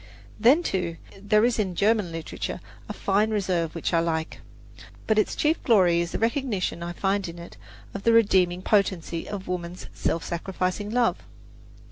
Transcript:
Then, too, there is in German literature a fine reserve which I like; but its chief glory is the recognition I find in it of the redeeming potency of woman's self sacrificing love.